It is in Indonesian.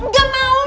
gak mau lah